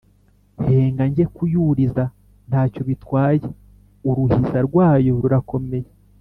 henga njye kuyuriza, ntacyo bitwaye uruhiza rwayo rurakomeye,